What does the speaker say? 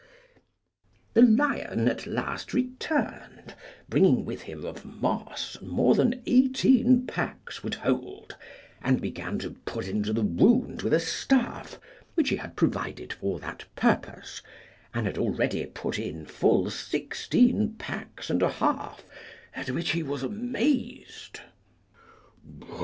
The lion at last returned, bringing with him of moss more than eighteen packs would hold, and began to put into the wound with a staff which he had provided for that purpose, and had already put in full sixteen packs and a half, at which he was amazed.